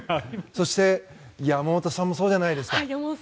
そして、山本さんもそうじゃないですか。